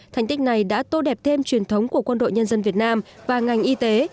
thành tích này đã tô đẹp thêm truyền thống của quân đội nhân dân việt nam và ngành y tế